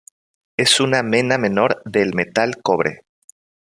Es una mena menor del metal cobre.